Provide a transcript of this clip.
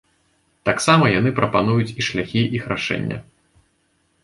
Таксама яны прапануюць і шляхі іх рашэння.